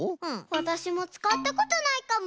わたしもつかったことないかも。